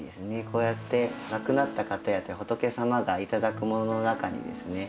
こうやって亡くなった方や仏様が頂くものの中にですね